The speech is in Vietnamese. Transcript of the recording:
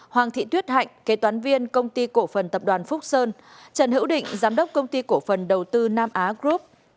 hoàng thị tuyết hạnh kế toán viên công ty cổ phần tập đoàn phúc sơn trần hữu định giám đốc công ty cổ phần đầu tư nam á group